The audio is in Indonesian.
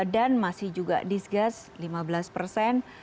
dan masih juga disgust lima belas persen